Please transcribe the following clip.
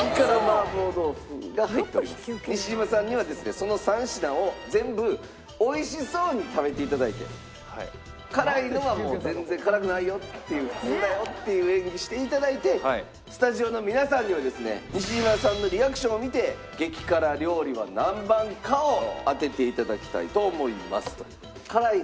その３品を全部美味しそうに食べて頂いて辛いのはもう全然辛くないよっていう普通だよっていう演技して頂いてスタジオの皆さんにはですね西島さんのリアクションを見て激辛料理は何番かを当てて頂きたいと思いますという。